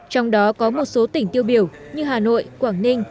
trong đó có một số tỉnh tiêu biểu như hà nội quảng ninh